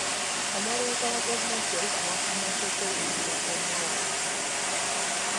Omuwolereza wa gavumenti yali awakanya eky'okweyimirira omuwawaabirwa.